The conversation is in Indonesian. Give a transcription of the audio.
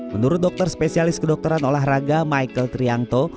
menurut dokter spesialis kedokteran olahraga michael trianto